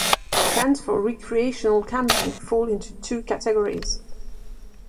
Tents for recreational camping fall into two categories.